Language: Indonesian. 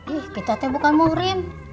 eh kita teh bukan murim